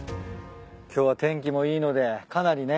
今日は天気もいいのでかなりね